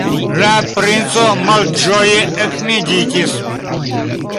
La princo malĝoje ekmeditis.